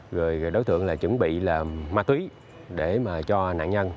rồi đối tượng là chuẩn bị là ma túy để mà cho nạn nhân